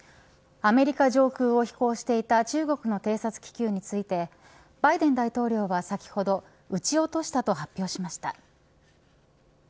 アメリカ上空を飛行していた中国の偵察気球についてバイデン大統領は先ほど撃ち落としたと発表しました。